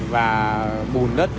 và bùn đất